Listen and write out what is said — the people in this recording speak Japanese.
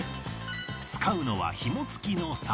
使うのはひも付きの竿